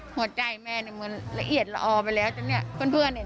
หัวใจแม่มันเหมือนละเอียดลออไปแล้วจ้ะเนี่ย